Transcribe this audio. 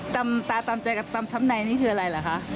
ตาตามใจกับตำช้ำในนี่คืออะไรเหรอคะ